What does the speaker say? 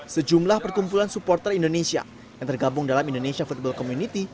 sejumlah perkumpulan supporter indonesia yang tergabung dalam indonesia football community